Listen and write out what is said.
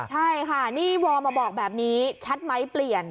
ใช่ค่ะนี่วอร์มาบอกแบบนี้ชัดไหมเปลี่ยน